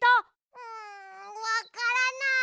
うんわからない。